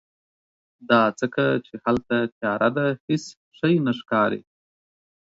دا ځکه چې هلته تیاره ده، هیڅ شی نه ښکاری